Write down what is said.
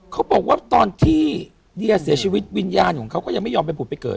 เขาบอกว่าตอนที่เดียเสียชีวิตวิญญาณของเขาก็ยังไม่ยอมไปผุดไปเกิด